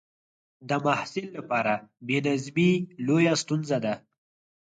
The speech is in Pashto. د محصل لپاره بې نظمي لویه ستونزه ده.